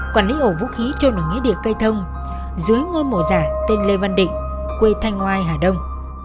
bộ điện đài ổ vũ khí trôn ở nghĩa địa cây thông dưới ngôi mổ giả tên lê văn định quê thanh ngoai hà đông